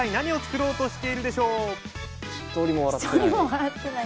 一人も笑ってない。